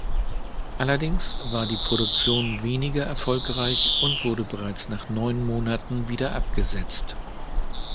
Allerdings war die Produktion weniger erfolgreich und wurde bereits nach neun Monaten wieder abgesetzt.